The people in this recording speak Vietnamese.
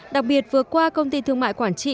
đặc biệt vừa qua công ty thương mại quảng trị